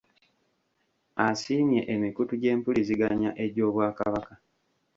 Asiimye emikutu gy’empuliziganya egy’Obwakabaka